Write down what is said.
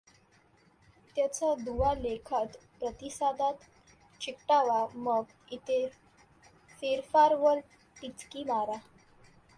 त्याचा दुवा लेखात प्रतिसादात चिकटवा मग, इथे फेरफार वर टिचकी मारा.